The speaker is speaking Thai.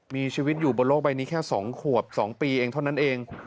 มีชีวิตอยู่บนโลกใบนี้แค่๒ขวบ๒ปีเองเท่านั้นเอง